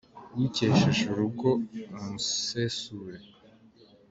Ukesheje urugo umusesure.